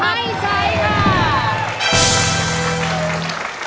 ไม่ใช้ค่ะ